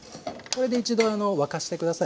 これで一度沸かして下さい。